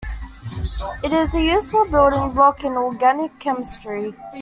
It is a useful building block in organic chemistry.